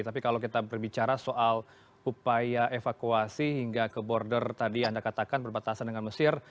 tapi kalau kita berbicara soal upaya evakuasi hingga ke border tadi anda katakan berbatasan dengan mesir